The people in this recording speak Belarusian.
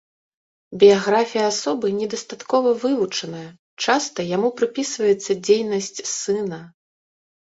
Біяграфія асобы недастаткова вывучаная, часта яму прыпісваецца дзейнасць сына.